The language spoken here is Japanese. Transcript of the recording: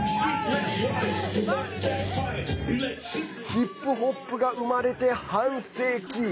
ヒップホップが生まれて半世紀。